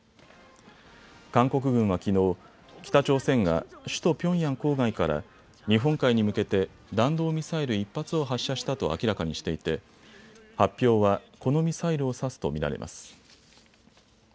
韓国軍はきのう北朝鮮が首都ピョンヤン郊外から日本海に向けて弾道ミサイル１発を発射したと明らかにしていて発表はこのミサイルを指すと見られます。